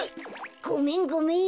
ごめんごめん。